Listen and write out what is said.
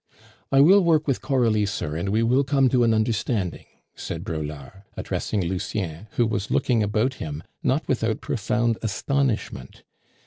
"I will work with Coralie, sir, and we will come to an understanding," said Braulard, addressing Lucien, who was looking about him, not without profound astonishment.